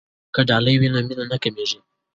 که ډالۍ وي نو مینه نه کمېږي.